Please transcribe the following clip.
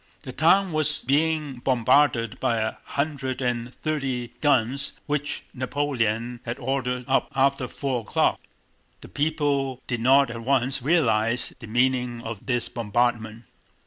The town was being bombarded by a hundred and thirty guns which Napoleon had ordered up after four o'clock. The people did not at once realize the meaning of this bombardment.